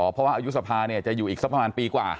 เพราะว่าอายุสภาจะอยู่อีกสักประมาณปีกว่า